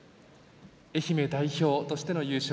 愛媛代表としての優勝。